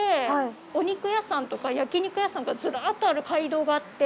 お肉屋さんとか焼き肉屋さんがずらっとある街道があって。